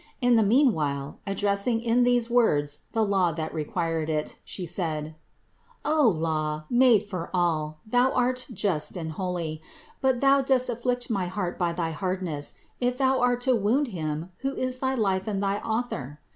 In the meanwhile, addressing in these words the law that required it, She said : "O law, made for all, thou art just and holy; but thou dost afflict my heart by thy hardness, if thou art to wound Him, who is thy life and thy Author